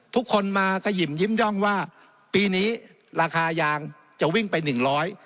ทุกคนมากระหยิ่มยิ้มย่องว่าปีนี้ราคายางจะวิ่งไปหนึ่งร้อย